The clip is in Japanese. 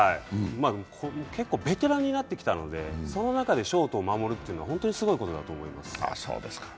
結構ベテランになってきたのでその中でショートを守るというのは本当にすごいことだと思います。